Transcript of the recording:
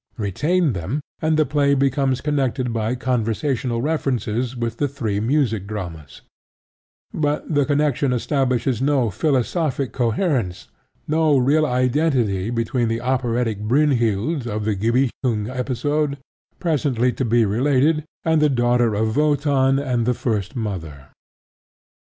Retain them, and the play becomes connected by conversational references with the three music dramas; but the connection establishes no philosophic coherence, no real identity between the operatic Brynhild of the Gibichung episode (presently to be related) and the daughter of Wotan and the First Mother.